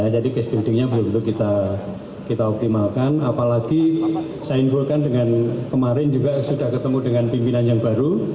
jadi case buildingnya belum kita optimalkan apalagi saya inginkan dengan kemarin juga sudah ketemu dengan pimpinan yang baru